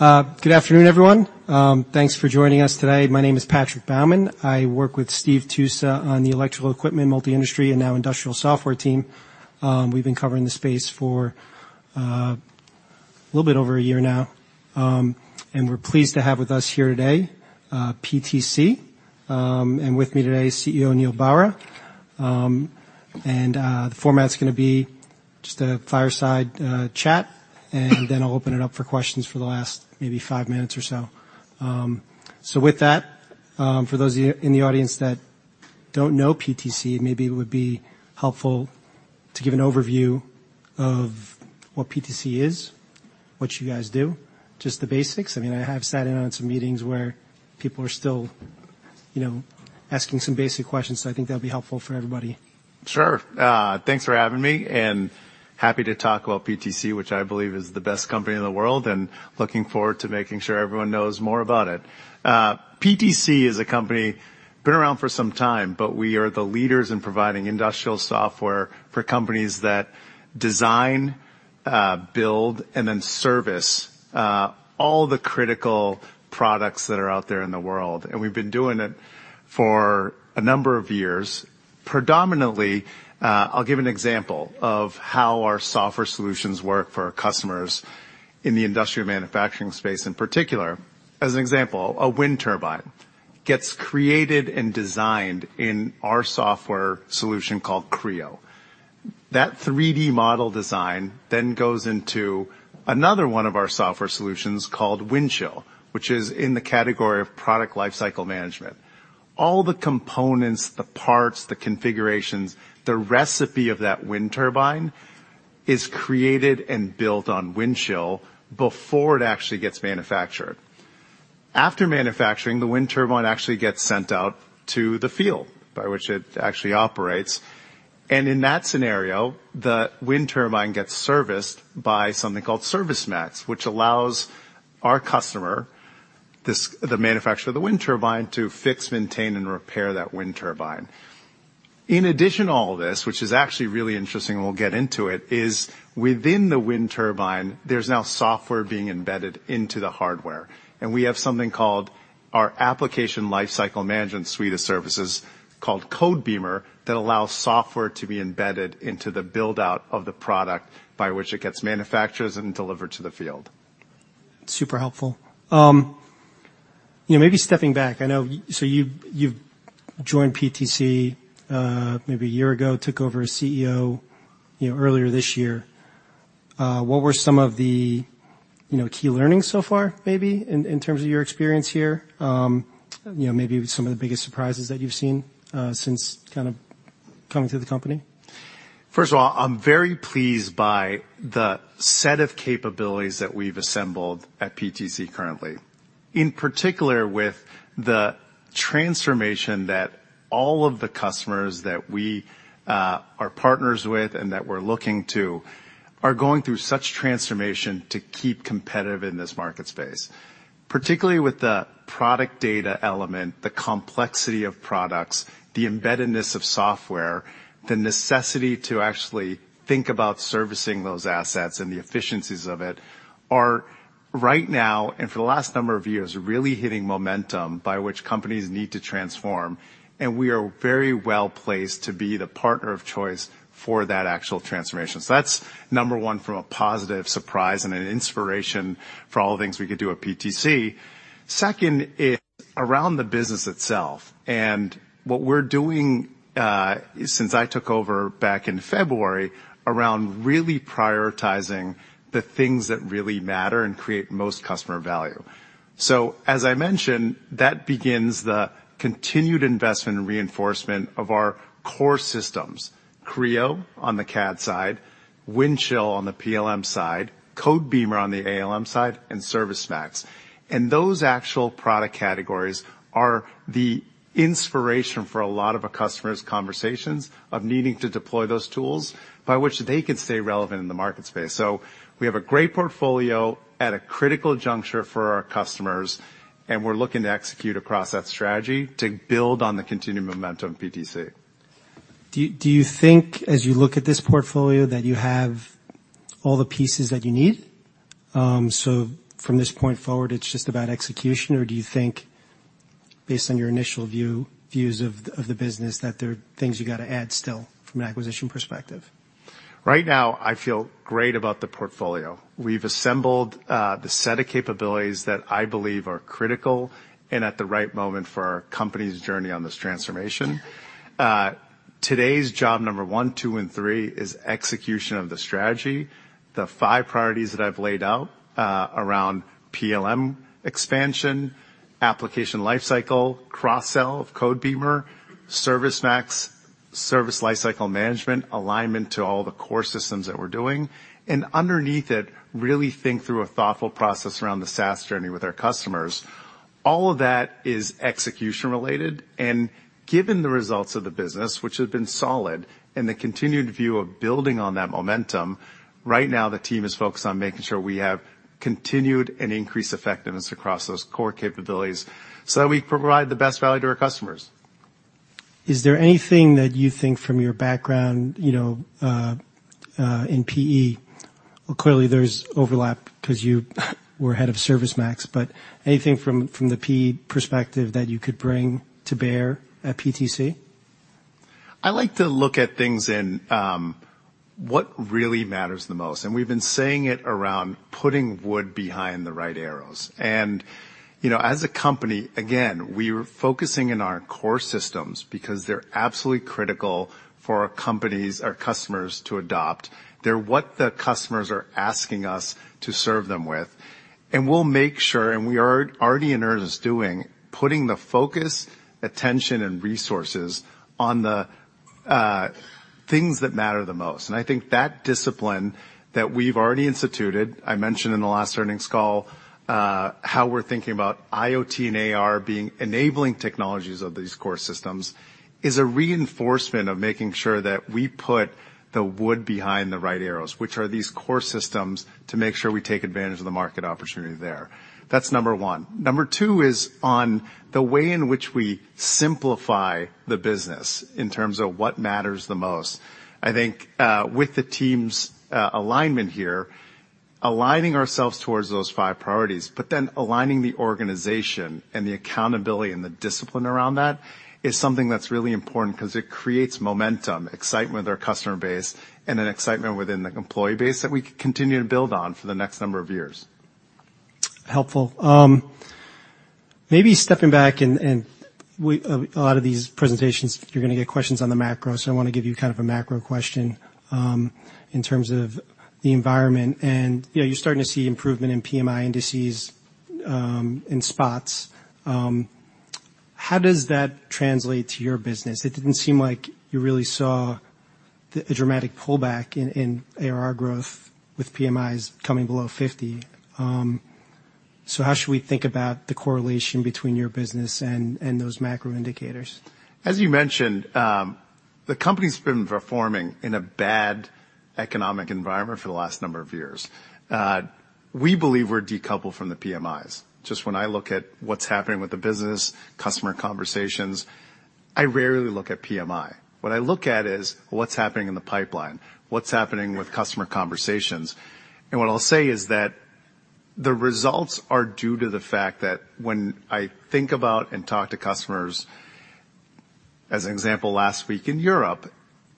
Good afternoon, everyone. Thanks for joining us today. My name is Patrick Baumann. I work with Steve Tusa on the electrical equipment, multi-industry, and now industrial software team. We've been covering the space for a little bit over a year now, and we're pleased to have with us here today PTC, and with me today is CEO Neil Barua. The format's going to be just a fireside chat, and then I'll open it up for questions for the last maybe five minutes or so. For those in the audience that don't know PTC, maybe it would be helpful to give an overview of what PTC is, what you guys do, just the basics. I mean, I have sat in on some meetings where people are still asking some basic questions, so I think that'll be helpful for everybody. Sure. Thanks for having me, and happy to talk about PTC, which I believe is the best company in the world, and looking forward to making sure everyone knows more about it. PTC is a company been around for some time, but we are the leaders in providing industrial software for companies that design, build, and then service all the critical products that are out there in the world. We have been doing it for a number of years. Predominantly, I'll give an example of how our software solutions work for our customers in the industrial manufacturing space in particular. As an example, a wind turbine gets created and designed in our software solution called Creo. That 3D model design then goes into another one of our software solutions called Windchill, which is in the category of product lifecycle management. All the components, the parts, the configurations, the recipe of that wind turbine is created and built on Windchill before it actually gets manufactured. After manufacturing, the wind turbine actually gets sent out to the field by which it actually operates. In that scenario, the wind turbine gets serviced by something called ServiceMax, which allows our customer, the manufacturer of the wind turbine, to fix, maintain, and repair that wind turbine. In addition to all this, which is actually really interesting, and we'll get into it, is within the wind turbine, there's now software being embedded into the hardware. We have something called our application lifecycle management suite of services called Codebeamer that allows software to be embedded into the build-out of the product by which it gets manufactured and delivered to the field. Super helpful. Maybe stepping back, I know you have joined PTC maybe a year ago, took over as CEO earlier this year. What were some of the key learnings so far, maybe, in terms of your experience here? Maybe some of the biggest surprises that you have seen since kind of coming to the company? First of all, I'm very pleased by the set of capabilities that we've assembled at PTC currently, in particular with the transformation that all of the customers that we are partners with and that we're looking to are going through such transformation to keep competitive in this market space, particularly with the product data element, the complexity of products, the embeddedness of software, the necessity to actually think about servicing those assets and the efficiencies of it are right now and for the last number of years really hitting momentum by which companies need to transform. We are very well placed to be the partner of choice for that actual transformation. That's number one from a positive surprise and an inspiration for all the things we could do at PTC. Second is around the business itself. What we're doing since I took over back in February is really prioritizing the things that really matter and create most customer value. As I mentioned, that begins the continued investment and reinforcement of our core systems, Creo on the CAD side, Windchill on the PLM side, Codebeamer on the ALM side, and ServiceMax. Those actual product categories are the inspiration for a lot of our customers' conversations of needing to deploy those tools by which they can stay relevant in the market space. We have a great portfolio at a critical juncture for our customers, and we're looking to execute across that strategy to build on the continued momentum of PTC. Do you think, as you look at this portfolio, that you have all the pieces that you need? From this point forward, it's just about execution, or do you think, based on your initial views of the business, that there are things you got to add still from an acquisition perspective? Right now, I feel great about the portfolio. We've assembled the set of capabilities that I believe are critical and at the right moment for our company's journey on this transformation. Today's job number one, two, and three is execution of the strategy, the five priorities that I've laid out around PLM expansion, application lifecycle, cross-sell of Codebeamer, ServiceMax, service lifecycle management, alignment to all the core systems that we're doing. Underneath it, really think through a thoughtful process around the SaaS journey with our customers. All of that is execution-related. Given the results of the business, which have been solid, and the continued view of building on that momentum, right now the team is focused on making sure we have continued and increased effectiveness across those core capabilities so that we provide the best value to our customers. Is there anything that you think from your background in PE? Clearly, there's overlap because you were head of ServiceMax, but anything from the PE perspective that you could bring to bear at PTC? I like to look at things in what really matters the most. We've been saying it around putting wood behind the right arrows. As a company, again, we are focusing in our core systems because they're absolutely critical for our companies, our customers to adopt. They're what the customers are asking us to serve them with. We'll make sure, and we are already in earnest doing, putting the focus, attention, and resources on the things that matter the most. I think that discipline that we've already instituted, I mentioned in the last earnings call, how we're thinking about IoT and ARB being enabling technologies of these core systems is a reinforcement of making sure that we put the wood behind the right arrows, which are these core systems to make sure we take advantage of the market opportunity there. That's number one. Number two is on the way in which we simplify the business in terms of what matters the most. I think with the team's alignment here, aligning ourselves towards those five priorities, but then aligning the organization and the accountability and the discipline around that is something that's really important because it creates momentum, excitement with our customer base, and an excitement within the employee base that we can continue to build on for the next number of years. Helpful. Maybe stepping back, and a lot of these presentations, you're going to get questions on the macro, so I want to give you kind of a macro question in terms of the environment. You're starting to see improvement in PMI indices and spots. How does that translate to your business? It didn't seem like you really saw a dramatic pullback in ARR growth with PMIs coming below 50. How should we think about the correlation between your business and those macro indicators? As you mentioned, the company's been performing in a bad economic environment for the last number of years. We believe we're decoupled from the PMIs. Just when I look at what's happening with the business, customer conversations, I rarely look at PMI. What I look at is what's happening in the pipeline, what's happening with customer conversations. What I'll say is that the results are due to the fact that when I think about and talk to customers, as an example, last week in Europe,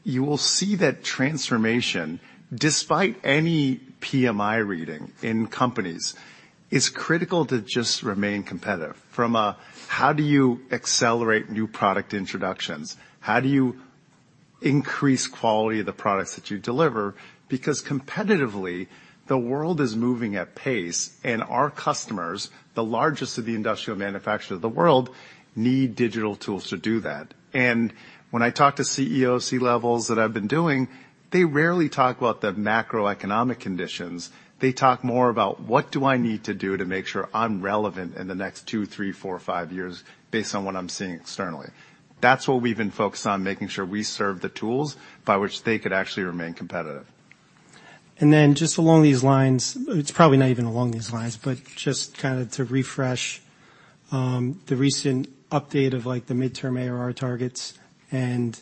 you will see that transformation, despite any PMI reading in companies, is critical to just remain competitive from a how do you accelerate new product introductions, how do you increase quality of the products that you deliver, because competitively the world is moving at pace, and our customers, the largest of the industrial manufacturers of the world, need digital tools to do that. When I talk to CEOs, C-levels that I've been doing, they rarely talk about the macroeconomic conditions. They talk more about what do I need to do to make sure I'm relevant in the next two, three, four, five years based on what I'm seeing externally. That's what we've been focused on, making sure we serve the tools by which they could actually remain competitive. Just along these lines, it's probably not even along these lines, but just kind of to refresh the recent update of the midterm ARR targets and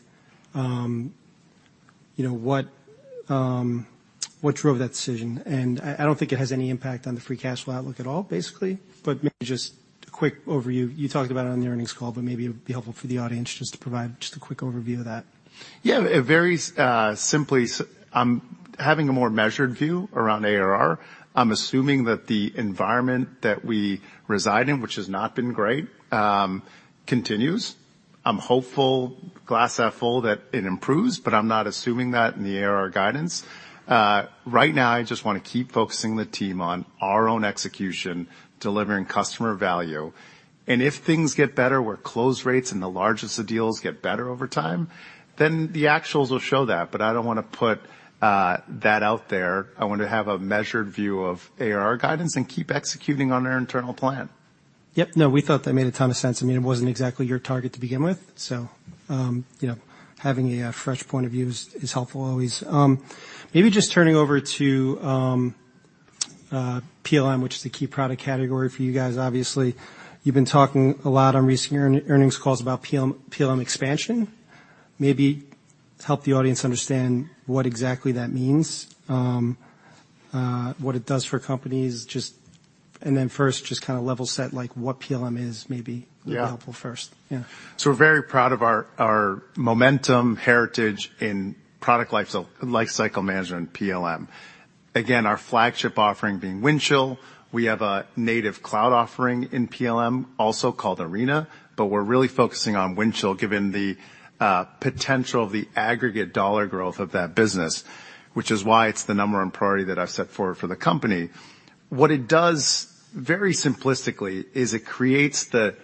what drove that decision. I don't think it has any impact on the free cash flow outlook at all, basically, but maybe just a quick overview. You talked about it on the earnings call, but maybe it would be helpful for the audience just to provide just a quick overview of that. Yeah, it varies simply. I'm having a more measured view around ARR. I'm assuming that the environment that we reside in, which has not been great, continues. I'm hopeful, glass half full, that it improves, but I'm not assuming that in the ARR guidance. Right now, I just want to keep focusing the team on our own execution, delivering customer value. If things get better, where close rates and the largest of deals get better over time, then the actuals will show that. I don't want to put that out there. I want to have a measured view of ARR guidance and keep executing on our internal plan. Yep. No, we thought that made a ton of sense. I mean, it was not exactly your target to begin with, so having a fresh point of view is helpful always. Maybe just turning over to PLM, which is the key product category for you guys, obviously. You have been talking a lot on recent earnings calls about PLM expansion. Maybe help the audience understand what exactly that means, what it does for companies, and then first just kind of level set what PLM is maybe would be helpful first. Yeah. We're very proud of our momentum, heritage, and product lifecycle management in PLM. Again, our flagship offering being Windchill. We have a native cloud offering in PLM, also called Arena, but we're really focusing on Windchill given the potential of the aggregate dollar growth of that business, which is why it's the number one priority that I've set forward for the company. What it does, very simplistically, is it creates the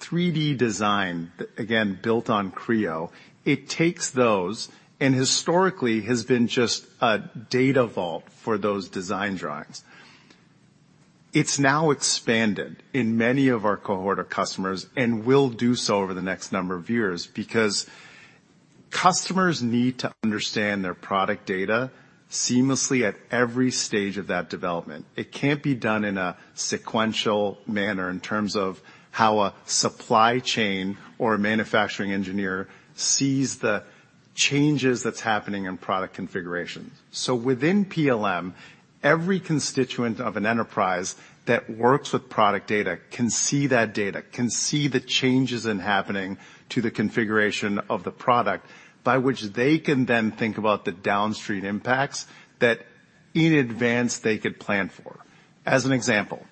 3D design, again, built on Creo. It takes those and historically has been just a data vault for those design drawings. It's now expanded in many of our cohort of customers and will do so over the next number of years because customers need to understand their product data seamlessly at every stage of that development. It can't be done in a sequential manner in terms of how a supply chain or a manufacturing engineer sees the changes that's happening in product configurations. Within PLM, every constituent of an enterprise that works with product data can see that data, can see the changes happening to the configuration of the product by which they can then think about the downstream impacts that in advance they could plan for. As an example,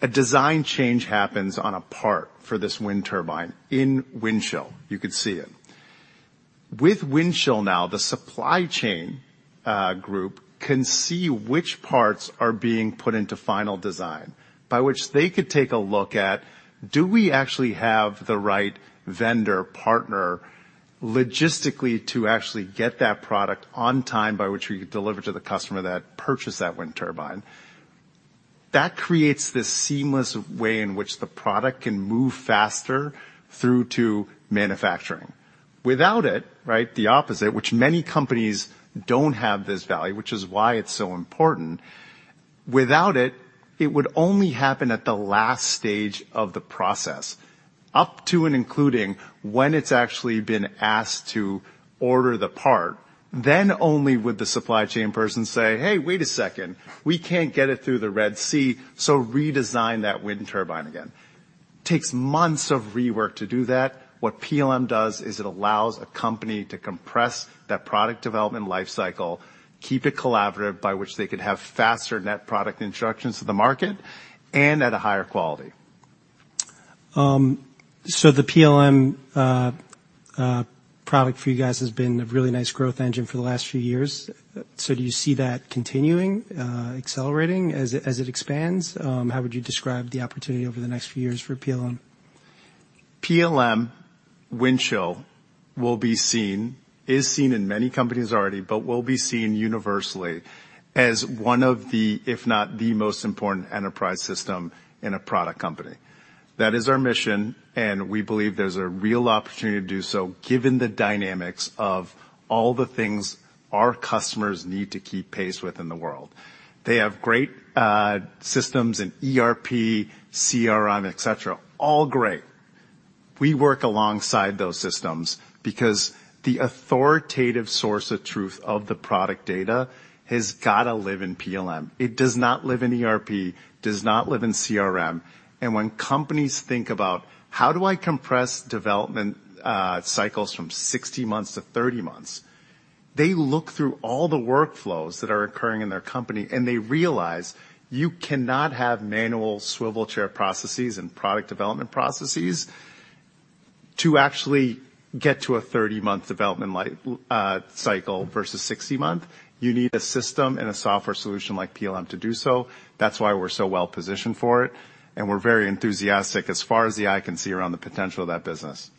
a design change happens on a part for this wind turbine in Windchill. You could see it. With Windchill now, the supply chain group can see which parts are being put into final design by which they could take a look at, do we actually have the right vendor, partner logistically to actually get that product on time by which we could deliver to the customer that purchased that wind turbine. That creates this seamless way in which the product can move faster through to manufacturing. Without it, right, the opposite, which many companies do not have this value, which is why it is so important, without it, it would only happen at the last stage of the process up to and including when it is actually been asked to order the part. Only then would the supply chain person say, "Hey, wait a second. We cannot get it through the Red Sea, so redesign that wind turbine again." Takes months of rework to do that. What PLM does is it allows a company to compress that product development lifecycle, keep it collaborative by which they could have faster net product instructions to the market and at a higher quality. The PLM product for you guys has been a really nice growth engine for the last few years. Do you see that continuing, accelerating as it expands? How would you describe the opportunity over the next few years for PLM? PLM, Windchill, is seen in many companies already, but will be seen universally as one of the, if not the most important enterprise system in a product company. That is our mission, and we believe there's a real opportunity to do so given the dynamics of all the things our customers need to keep pace with in the world. They have great systems in ERP, CRM, etc., all great. We work alongside those systems because the authoritative source of truth of the product data has got to live in PLM. It does not live in ERP, does not live in CRM. When companies think about, "How do I compress development cycles from 60 months to 30 months?" they look through all the workflows that are occurring in their company, and they realize you cannot have manual swivel chair processes and product development processes to actually get to a 30-month development cycle versus 60-month. You need a system and a software solution like PLM to do so. That is why we are so well positioned for it, and we are very enthusiastic as far as the eye can see around the potential of that business.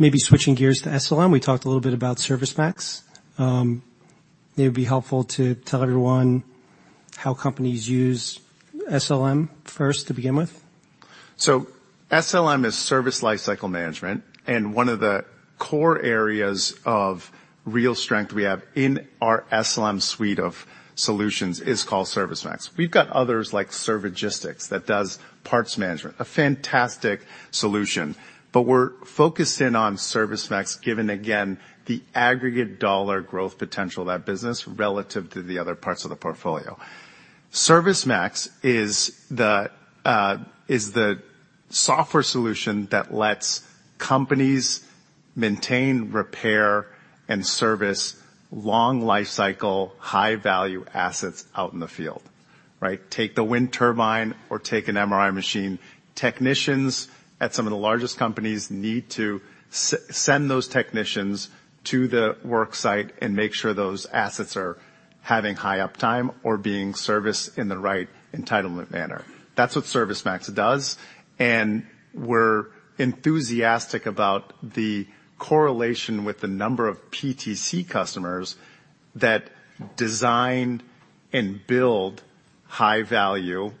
Maybe switching gears to SLM, we talked a little bit about ServiceMax. Maybe it'd be helpful to tell everyone how companies use SLM first to begin with. SLM is Service Lifecycle Management, and one of the core areas of real strength we have in our SLM suite of solutions is called ServiceMax. We've got others like Servigistics that does parts management, a fantastic solution, but we're focused in on ServiceMax given, again, the aggregate dollar growth potential of that business relative to the other parts of the portfolio. ServiceMax is the software solution that lets companies maintain, repair, and service long lifecycle, high-value assets out in the field. Take the wind turbine or take an MRI machine. Technicians at some of the largest companies need to send those technicians to the worksite and make sure those assets are having high uptime or being serviced in the right entitlement manner. That's what ServiceMax does, and we're enthusiastic about the correlation with the number of PTC customers that design and build high-value,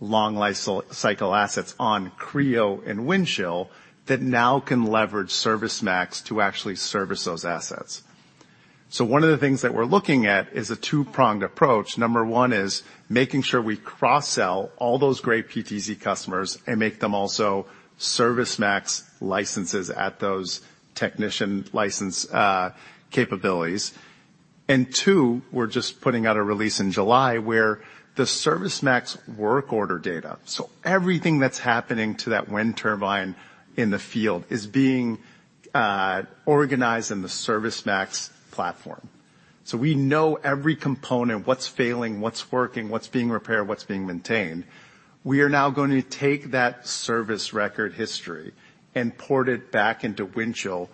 long lifecycle assets on Creo and Windchill that now can leverage ServiceMax to actually service those assets. One of the things that we're looking at is a two-pronged approach. Number one is making sure we cross-sell all those great PTC customers and make them also ServiceMax licenses at those technician license capabilities. Two, we're just putting out a release in July where the ServiceMax work order data, so everything that's happening to that wind turbine in the field, is being organized in the ServiceMax platform. We know every component, what's failing, what's working, what's being repaired, what's being maintained. We are now going to take that service record history and port it back into Windchill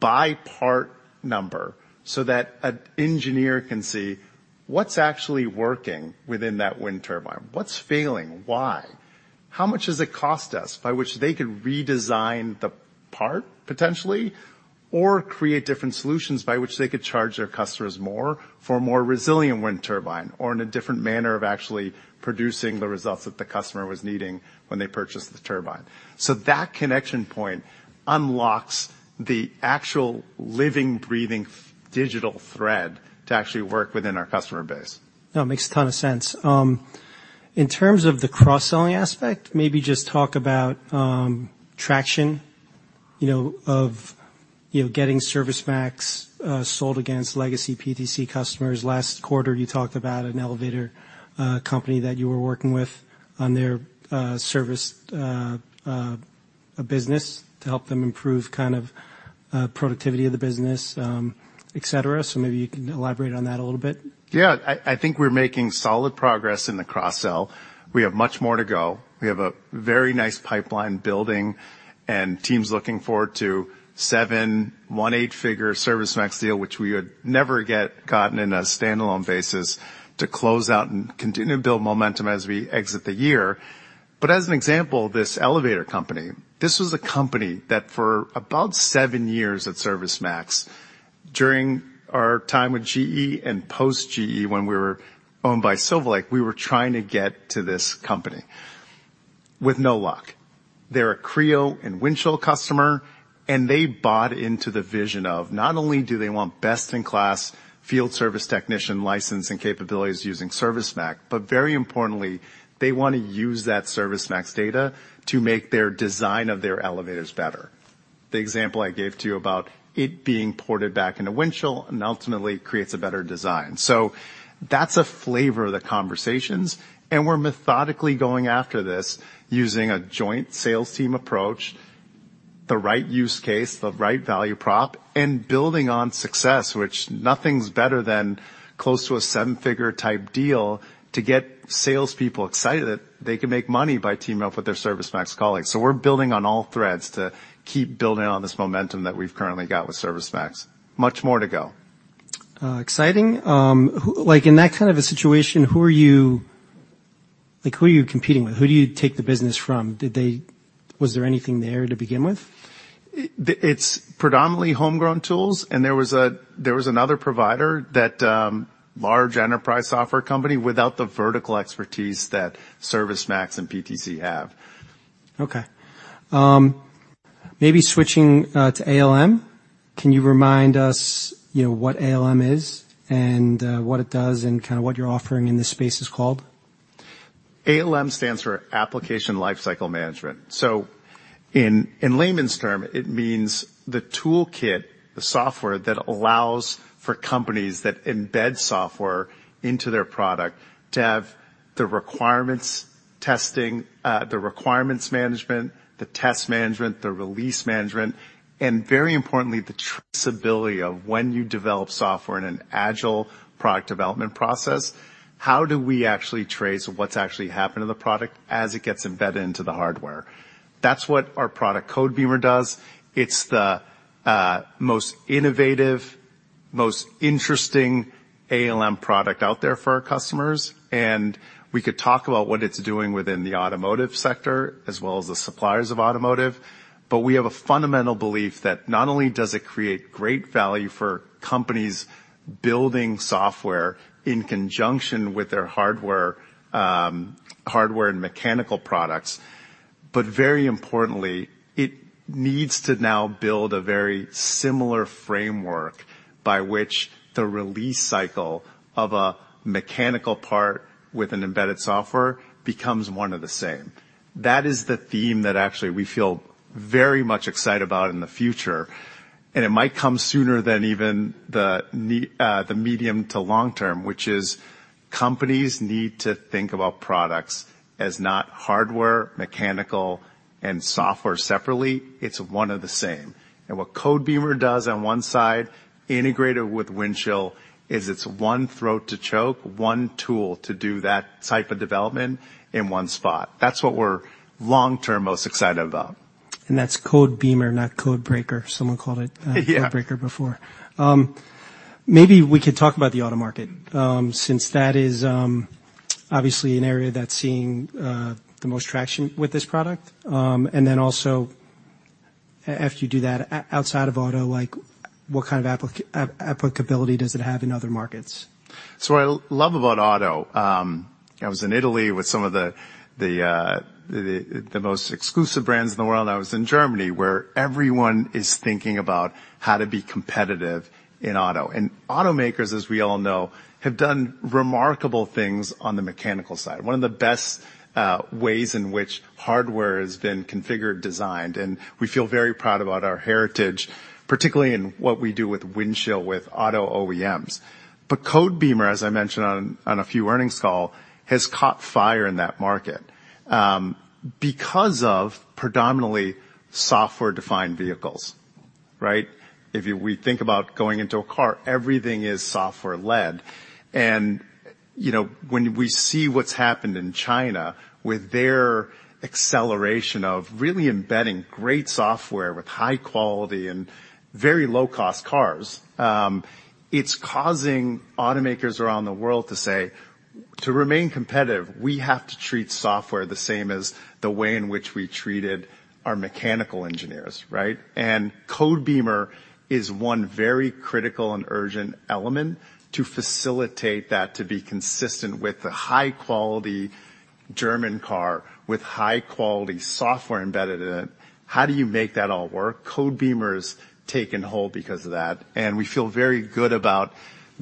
by part number so that an engineer can see what's actually working within that wind turbine, what's failing, why, how much has it cost us by which they could redesign the part potentially or create different solutions by which they could charge their customers more for a more resilient wind turbine or in a different manner of actually producing the results that the customer was needing when they purchased the turbine. That connection point unlocks the actual living, breathing digital thread to actually work within our customer base. No, it makes a ton of sense. In terms of the cross-selling aspect, maybe just talk about traction of getting ServiceMax sold against legacy PTC customers. Last quarter, you talked about an elevator company that you were working with on their service business to help them improve kind of productivity of the business, etc. Maybe you can elaborate on that a little bit. Yeah, I think we're making solid progress in the cross-sell. We have much more to go. We have a very nice pipeline building and teams looking forward to seven, one-eight-figure ServiceMax deal, which we would never have gotten in a standalone basis to close out and continue to build momentum as we exit the year. As an example, this elevator company, this was a company that for about seven years at ServiceMax, during our time with GE and post-GE when we were owned by Silver Lake, we were trying to get to this company with no luck. They're a Creo and Windchill customer, and they bought into the vision of not only do they want best-in-class field service technician license and capabilities using ServiceMax, but very importantly, they want to use that ServiceMax data to make their design of their elevators better. The example I gave to you about it being ported back into Windchill and ultimately creates a better design. That is a flavor of the conversations, and we are methodically going after this using a joint sales team approach, the right use case, the right value prop, and building on success, which nothing is better than close to a seven-figure type deal to get salespeople excited that they can make money by teaming up with their ServiceMax colleagues. We are building on all threads to keep building on this momentum that we have currently got with ServiceMax. Much more to go. Exciting. In that kind of a situation, who are you competing with? Who do you take the business from? Was there anything there to begin with? It's predominantly homegrown tools, and there was another provider, that large enterprise software company without the vertical expertise that ServiceMax and PTC have. Okay. Maybe switching to ALM, can you remind us what ALM is and what it does and kind of what your offering in this space is called? ALM stands for Application Lifecycle Management. In layman's term, it means the toolkit, the software that allows for companies that embed software into their product to have the requirements testing, the requirements management, the test management, the release management, and very importantly, the traceability of when you develop software in an agile product development process, how do we actually trace what's actually happened to the product as it gets embedded into the hardware. That's what our product, Codebeamer, does. It's the most innovative, most interesting ALM product out there for our customers. We could talk about what it's doing within the automotive sector as well as the suppliers of automotive, but we have a fundamental belief that not only does it create great value for companies building software in conjunction with their hardware and mechanical products, but very importantly, it needs to now build a very similar framework by which the release cycle of a mechanical part with an embedded software becomes one and the same. That is the theme that actually we feel very much excited about in the future, and it might come sooner than even the medium to long term, which is companies need to think about products as not hardware, mechanical, and software separately. It's one and the same. What Codebeamer does on one side, integrated with Windchill, is it's one throat to choke, one tool to do that type of development in one spot. That's what we're long term most excited about. That is Codebeamer, not Codebeamer. Someone called it Codebeamer before. Maybe we could talk about the auto market since that is obviously an area that is seeing the most traction with this product. After you do that, outside of auto, what kind of applicability does it have in other markets? What I love about auto, I was in Italy with some of the most exclusive brands in the world. I was in Germany where everyone is thinking about how to be competitive in auto. And automakers, as we all know, have done remarkable things on the mechanical side. One of the best ways in which hardware has been configured, designed, and we feel very proud about our heritage, particularly in what we do with Windchill with auto OEMs. But Codebeamer, as I mentioned on a few earnings calls, has caught fire in that market because of predominantly software-defined vehicles. If we think about going into a car, everything is software-led. When we see what's happened in China with their acceleration of really embedding great software with high quality and very low-cost cars, it's causing automakers around the world to say, "To remain competitive, we have to treat software the same as the way in which we treated our mechanical engineers." Codebeamer is one very critical and urgent element to facilitate that to be consistent with the high-quality German car with high-quality software embedded in it. How do you make that all work? Codebeamer has taken hold because of that, and we feel very good about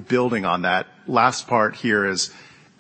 building on that. Last part here is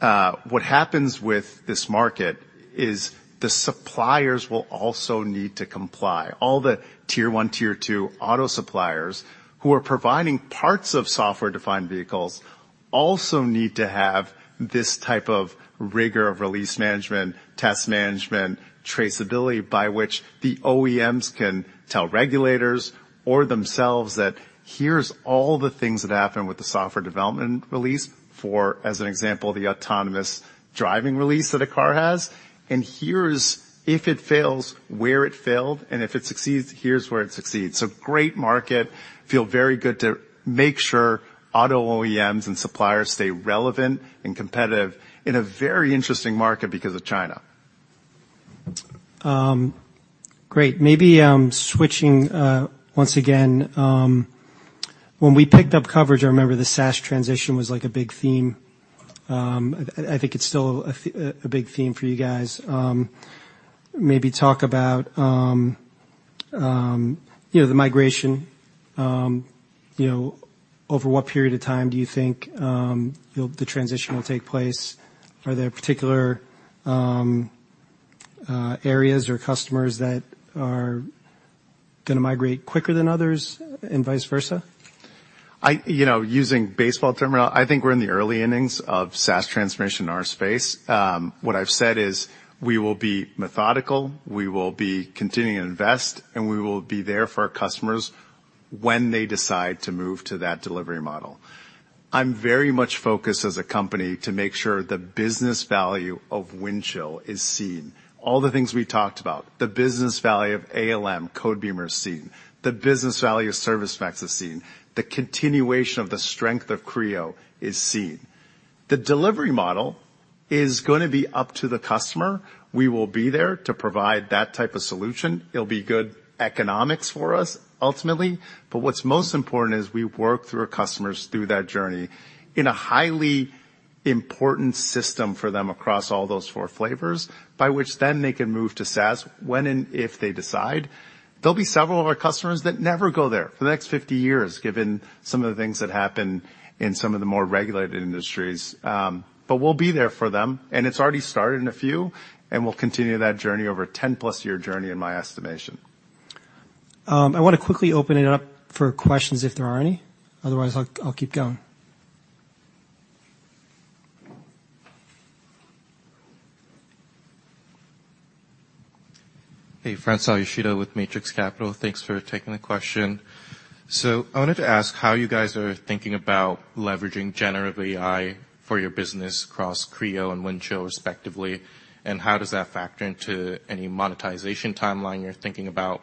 what happens with this market is the suppliers will also need to comply. All the tier one, tier two auto suppliers who are providing parts of software-defined vehicles also need to have this type of rigor of release management, test management, traceability by which the OEMs can tell regulators or themselves that, "Here's all the things that happen with the software development release for, as an example, the autonomous driving release that a car has. And here's, if it fails, where it failed, and if it succeeds, here's where it succeeds." Great market, feel very good to make sure auto OEMs and suppliers stay relevant and competitive in a very interesting market because of China. Great. Maybe switching once again, when we picked up coverage, I remember the SaaS transition was like a big theme. I think it's still a big theme for you guys. Maybe talk about the migration. Over what period of time do you think the transition will take place? Are there particular areas or customers that are going to migrate quicker than others and vice versa? Using baseball terminal, I think we're in the early innings of SaaS transformation in our space. What I've said is we will be methodical, we will be continuing to invest, and we will be there for our customers when they decide to move to that delivery model. I'm very much focused as a company to make sure the business value of Windchill is seen. All the things we talked about, the business value of ALM, Codebeamer is seen. The business value of ServiceMax is seen. The continuation of the strength of Creo is seen. The delivery model is going to be up to the customer. We will be there to provide that type of solution. It'll be good economics for us ultimately, but what's most important is we work through our customers through that journey in a highly important system for them across all those four flavors by which then they can move to SaaS when and if they decide. There'll be several of our customers that never go there for the next 50 years given some of the things that happen in some of the more regulated industries, but we'll be there for them. It's already started in a few, and we'll continue that journey, over a 10-plus-year journey in my estimation. I want to quickly open it up for questions if there are any. Otherwise, I'll keep going. Hey, Francois Yoshida with Matrix Capital. Thanks for taking the question. I wanted to ask how you guys are thinking about leveraging generative AI for your business across Creo and Windchill respectively, and how does that factor into any monetization timeline you're thinking about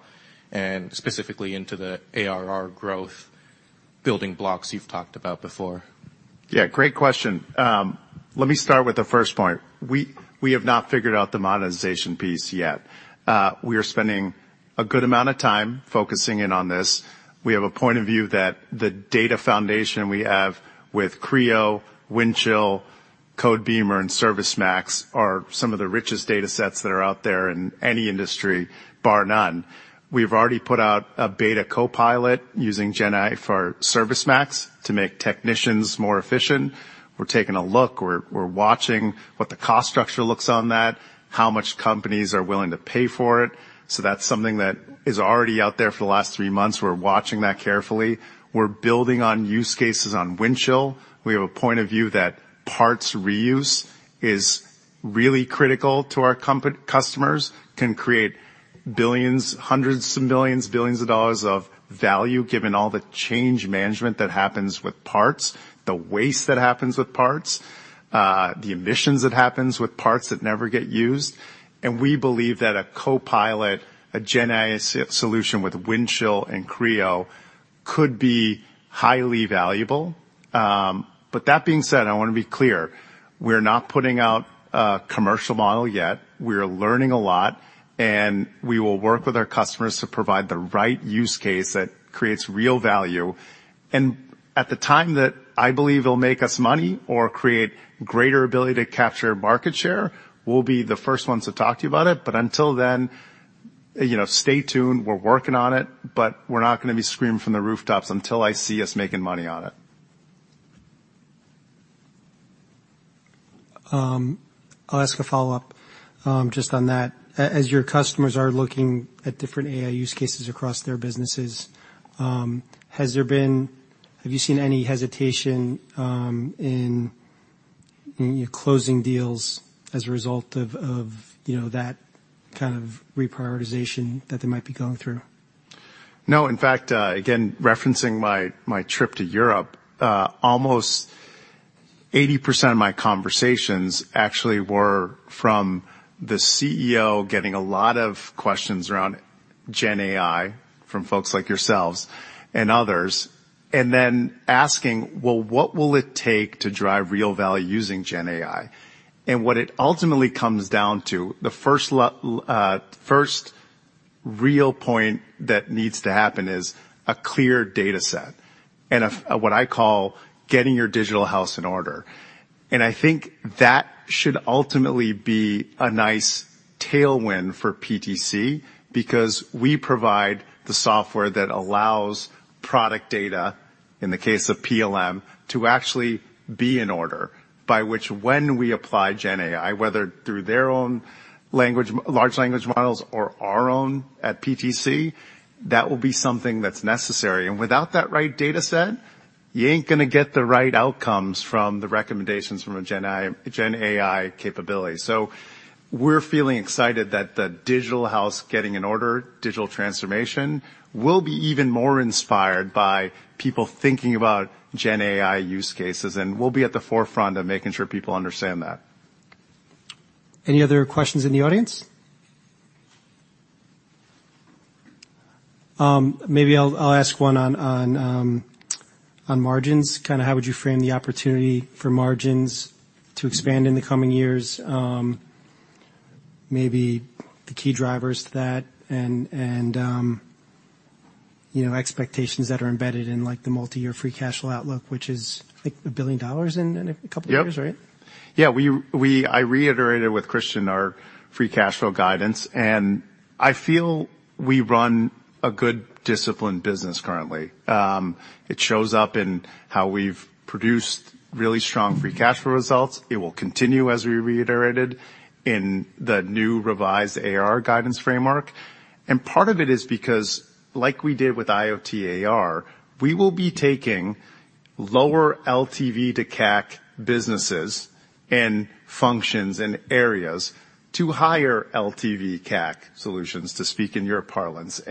and specifically into the ARR growth building blocks you've talked about before? Yeah, great question. Let me start with the first point. We have not figured out the monetization piece yet. We are spending a good amount of time focusing in on this. We have a point of view that the data foundation we have with Creo, Windchill, Codebeamer, and ServiceMax are some of the richest data sets that are out there in any industry, bar none. We've already put out a beta copilot using GenAI for ServiceMax to make technicians more efficient. We're taking a look. We're watching what the cost structure looks on that, how much companies are willing to pay for it. That is something that is already out there for the last three months. We're watching that carefully. We're building on use cases on Windchill. We have a point of view that parts reuse is really critical to our customers, can create hundreds of millions, billions of dollars of value given all the change management that happens with parts, the waste that happens with parts, the emissions that happen with parts that never get used. We believe that a copilot, a GenAI solution with Windchill and Creo could be highly valuable. That being said, I want to be clear. We're not putting out a commercial model yet. We're learning a lot, and we will work with our customers to provide the right use case that creates real value. At the time that I believe it'll make us money or create greater ability to capture market share, we'll be the first ones to talk to you about it. Until then, stay tuned. We're working on it, but we're not going to be screaming from the rooftops until I see us making money on it. I'll ask a follow-up just on that. As your customers are looking at different AI use cases across their businesses, have you seen any hesitation in closing deals as a result of that kind of reprioritization that they might be going through? No. In fact, again, referencing my trip to Europe, almost 80% of my conversations actually were from the CEO getting a lot of questions around GenAI from folks like yourselves and others, and then asking, "What will it take to drive real value using GenAI?" What it ultimately comes down to, the first real point that needs to happen is a clear data set and what I call getting your digital house in order. I think that should ultimately be a nice tailwind for PTC because we provide the software that allows product data, in the case of PLM, to actually be in order by which when we apply GenAI, whether through their own large language models or our own at PTC, that will be something that's necessary. Without that right data set, you ain't going to get the right outcomes from the recommendations from a GenAI capability. We are feeling excited that the digital house getting in order, digital transformation will be even more inspired by people thinking about GenAI use cases, and we will be at the forefront of making sure people understand that. Any other questions in the audience? Maybe I'll ask one on margins. Kind of how would you frame the opportunity for margins to expand in the coming years? Maybe the key drivers to that and expectations that are embedded in the multi-year free cash flow outlook, which is like $1 billion in a couple of years, right? Yeah. I reiterated with Kristian our free cash flow guidance, and I feel we run a good disciplined business currently. It shows up in how we've produced really strong free cash flow results. It will continue, as we reiterated, in the new revised ARR guidance framework. Part of it is because, like we did with IoT ARR, we will be taking lower LTV/CAC businesses and functions and areas to higher LTV/CAC solutions, to speak in your parlance.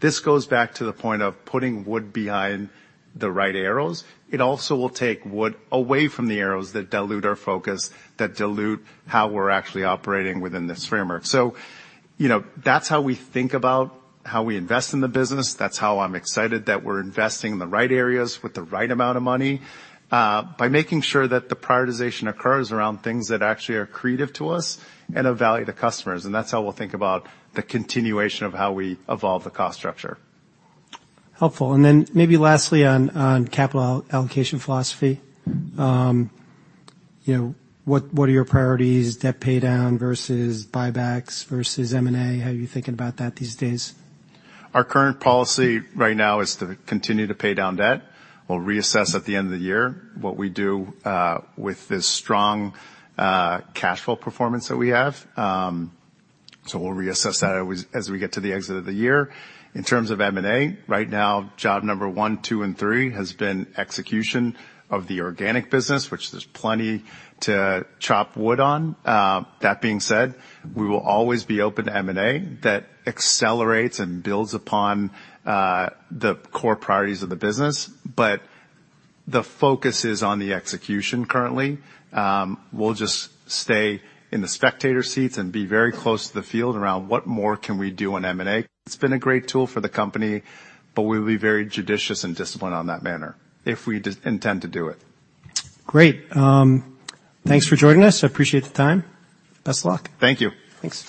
This goes back to the point of putting wood behind the right arrows. It also will take wood away from the arrows that dilute our focus, that dilute how we're actually operating within this framework. That is how we think about how we invest in the business. That's how I'm excited that we're investing in the right areas with the right amount of money by making sure that the prioritization occurs around things that actually are accretive to us and of value to customers. That's how we'll think about the continuation of how we evolve the cost structure. Helpful. Maybe lastly on capital allocation philosophy. What are your priorities? Debt pay down versus buybacks versus M&A? How are you thinking about that these days? Our current policy right now is to continue to pay down debt. We'll reassess at the end of the year what we do with this strong cash flow performance that we have. We'll reassess that as we get to the exit of the year. In terms of M&A, right now, job number one, two, and three has been execution of the organic business, which there's plenty to chop wood on. That being said, we will always be open to M&A that accelerates and builds upon the core priorities of the business. The focus is on the execution currently. We'll just stay in the spectator seats and be very close to the field around what more can we do in M&A. It's been a great tool for the company, but we'll be very judicious and disciplined on that manner if we intend to do it. Great. Thanks for joining us. I appreciate the time. Best of luck. Thank you. Thanks.